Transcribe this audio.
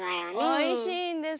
おいしいんです。